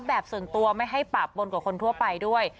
แบบส่วนตัวไม่ให้ปะปนกว่าคนทั่วไปด้วย